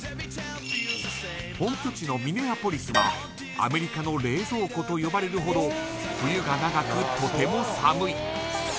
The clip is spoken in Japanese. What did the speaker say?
本拠地のミネアポリスはアメリカの冷蔵庫と呼ばれるほど冬が長くとても寒い。